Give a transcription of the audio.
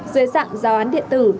dưới dạng giáo án điện tử